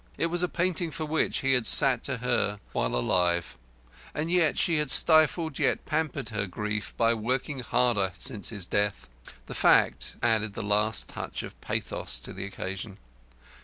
It was a painting for which he had sat to her while alive, and she had stifled yet pampered her grief by working hard at it since his death. The fact added the last touch of pathos to the occasion.